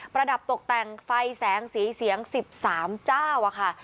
ระดับตกแต่งไฟแสงสีเสียง๑๓เจ้าค่ะ